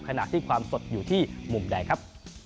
ขณะที่ความสดอยู่ที่มุมแดงครับ